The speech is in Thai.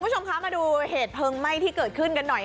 คุณผู้ชมคะมาดูเหตุเพลิงไหม้ที่เกิดขึ้นกันหน่อย